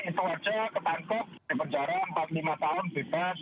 itu saja ketangkok di penjara empat puluh lima tahun bebas